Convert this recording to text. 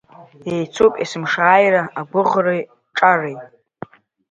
Еицуп есымшааира агәыӷреи ҿареи…